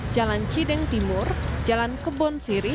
jalan cideng timur jalan kebon siri